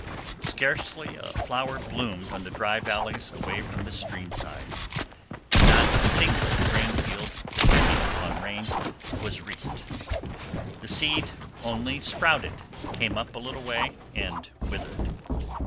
Scarcely a flower bloomed on the dry valleys away from the stream sides, and not a single grain field depending upon rain was reaped. The seed only sprouted, came up a little way, and withered.